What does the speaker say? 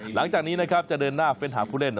หลังจากนี้นะครับจะเดินหน้าเฟ้นหาผู้เล่น